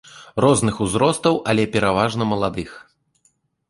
Розных узростаў, але пераважна маладых.